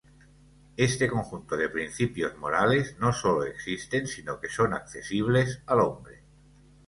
Este conjunto de principios morales no solo existen, sino que son accesibles al hombre.